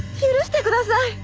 許してください。